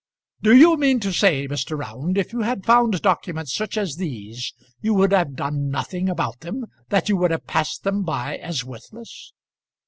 "Do you mean to say, Mr. Round, if you had found documents such as these, you would have done nothing about them that you would have passed them by as worthless?"